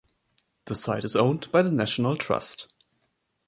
The site is owned by the National Trust.